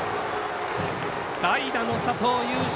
代打の佐藤雄心